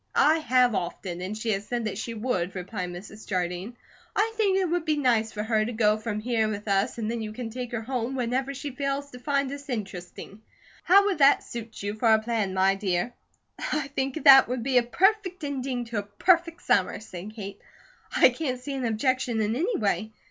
"I have, often, and she has said that she would," replied Mrs. Jardine. "I think it would be nice for her to go from here with us; and then you can take her home whenever she fails to find us interesting. How would that suit you for a plan, my dear?" "I think that would be a perfect ending to a perfect summer," said Kate. "I can't see an objection in any way.